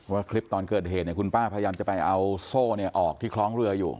ว่าคลิปตอนเกิดเหตุคุณป้าพยายามจะไปเอาโซ่ออกที่คล้องเรืออยู่